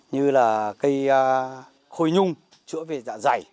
như là cây khôi nhung chữa về dạ dày